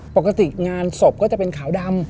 ปกติงานศพก็จะเป็นขาวดำ